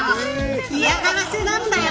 嫌がらせなんだよ